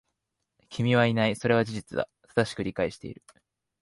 君はいない。それは事実だ。正しく理解している。